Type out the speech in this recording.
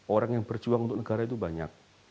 orang yang berjuang untuk negara itu banyak